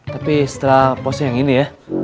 tapi setelah pos yang ini ya